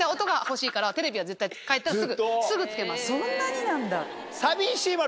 そんなになんだ。